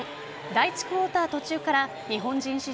第１クオーター途中から日本人史